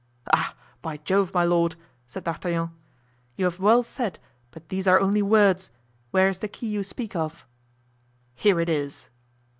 "Ah! by Jove, my lord," said D'Artagnan, "you have well said, but these are only words. Where is the key you speak of?" "Here it is."